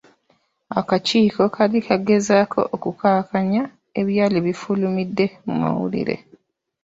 Akakiiko kaali kagezaako okukkakkanya ebyali bifulumidde mu mawulire.